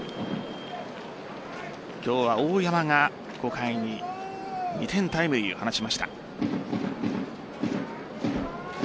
今日は大山が５回に２点タイムリーを放ちました。